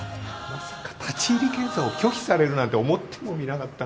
まさか立入検査を拒否されるなんて思ってもみなかった。